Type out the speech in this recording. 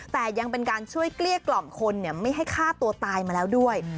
แต่ยังเป็นการช่วยเกลี้ยกล่อมคนไม่ให้ฆ่าตัวตายมาแล้วด้วย